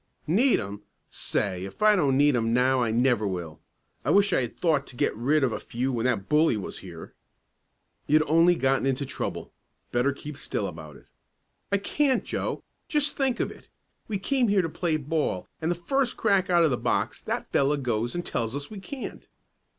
"Need 'em? Say if I don't need 'em now I never will. I wish I had thought to get rid of a few when that bully was here." "You'd only gotten into trouble. Better keep still about it." "I can't Joe. Just think of it! We came here to play ball, and the first crack out of the box that fellow goes and tells us we can't."